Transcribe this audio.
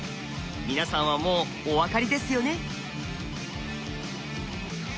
皆さんはもうお分かりですよね？